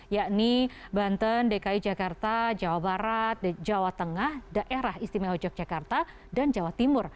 yakni banten dki jakarta jawa barat jawa tengah daerah istimewa yogyakarta dan jawa timur